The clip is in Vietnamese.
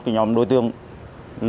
thậm chí có một số người là